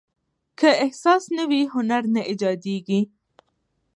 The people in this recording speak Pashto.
که احساس نه وي، هنر نه ایجاديږي.